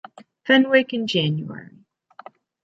Fenwick in January.